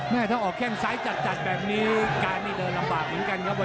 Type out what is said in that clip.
แม่เท่าออกแคมย์ชัดแบบนี้การไม่เดินลำบากเหมือนกันครับ